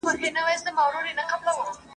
زما له شرنګه به لړزیږي تر قیامته خلوتونه !.